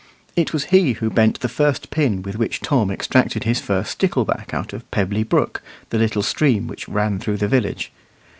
It was he who bent the first pin with which Tom extracted his first stickleback out of "Pebbly Brook," the little stream which ran through the village.